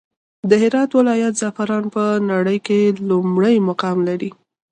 د هرات ولايت زعفران په نړى کې لومړى مقام لري.